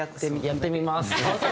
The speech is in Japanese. やってみます！